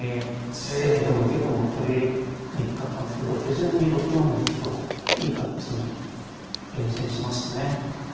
攻めても受けても取りにくかったんですけど手順に６四銀といい形に前進しましたね。